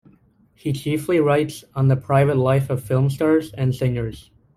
He chiefly writes on the private life of film stars and singers.